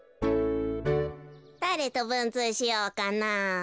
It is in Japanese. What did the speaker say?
だれとぶんつうしようかなあ。